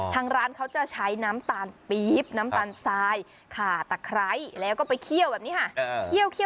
ทางร้านเขาจะใช้น้ำตาลปี๊บน้ำตาลทรายขาตะไคร้แล้วก็ไปเคี่ยวแบบนี้ค่ะ